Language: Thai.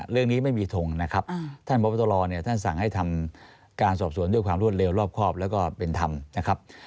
เรื่องนี้ไม่มีทงนะครับท่านพบตรเนี่ยท่านสั่งให้ทำการสอบสวนด้วยความรวดเร็วรอบครอบแล้วก็เป็นธรรมนะครับ